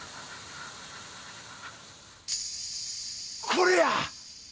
これや！